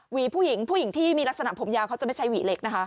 ผู้หญิงผู้หญิงที่มีลักษณะผมยาวเขาจะไม่ใช่หวีเล็กนะคะ